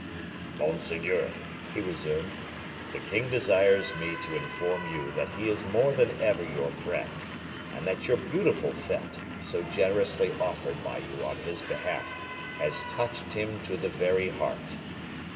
"Monseigneur," he resumed, "the king desires me to inform you that he is more than ever your friend, and that your beautiful fete, so generously offered by you on his behalf, has touched him to the very heart."